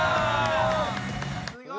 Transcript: すごい！